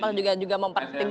atau juga mempertimbang